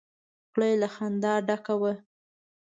خوله يې له خندا ډکه وه!